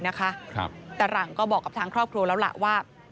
แต่หลังก็บอกกับทางครอบครัวแล้วล่ะว่า